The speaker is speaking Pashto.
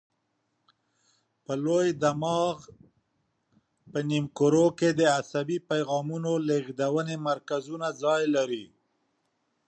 په لوی دماغ په نیمو کرو کې د عصبي پیغامونو لېږدونې مرکزونه ځای لري.